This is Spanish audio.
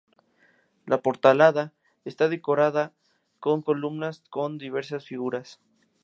La portalada está decorada con columnas y con diversas figuras.